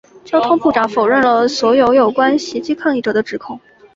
交通部部长否认了所有有关袭击抗议者的指控。